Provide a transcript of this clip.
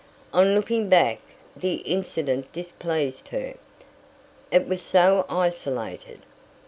On looking back, the incident displeased her. It was so isolated.